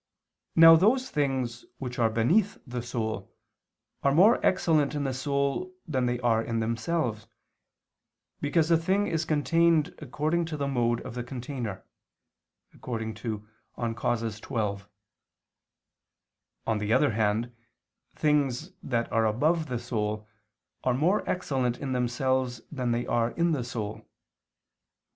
Now those things which are beneath the soul are more excellent in the soul than they are in themselves, because a thing is contained according to the mode of the container (De Causis xii). On the other hand, things that are above the soul, are more excellent in themselves than they are in the soul.